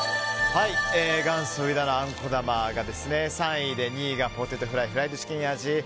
元祖植田のあんこ玉が３位で２位がポテトフライフライドチキン味。